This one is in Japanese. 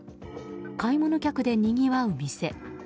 買い物客でにぎわう店。